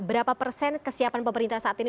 berapa persen kesiapan pemerintah saat ini